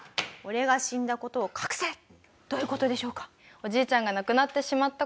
どういう事でしょうか？